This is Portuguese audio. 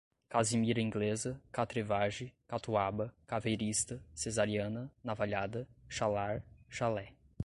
casimira inglesa, catrevage, catuaba, caveirista, cesariana, navalhada, chalar, chalé